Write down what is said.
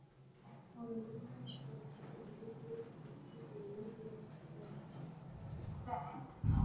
কণা গুলি পরস্পরের থেকে বৃহৎ দূরত্বে অবস্থান করলেও এই অবস্থা বজায় থাকে।